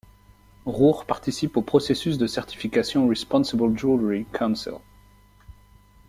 Roure participe au processus de certification Responsible Jewellery Council.